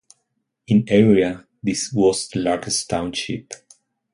In area, this was the largest township.